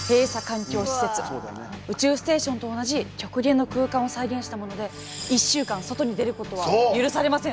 宇宙ステーションと同じ極限の空間を再現したもので１週間外に出ることは許されません。